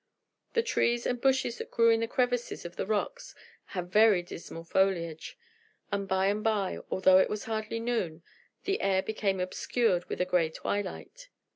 The trees and bushes that grew in the crevices of the rocks had very dismal foliage; and by and by, although it was hardly noon, the air became obscured with a gray twilight.